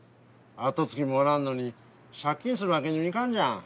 後継ぎもおらんのに借金するわけにもいかんじゃん。